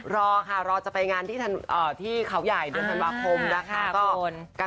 รอค่ะรอจะไปงานที่เขาใหญ่เดือนธันวาคมนะคะ